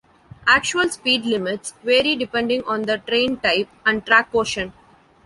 Actual speed limits vary depending on the train type and track portion.